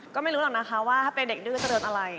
ก็ไม่รู้หรอกนะคะว่าถ้าเป็นเด็กดื้อจะเดินอะไร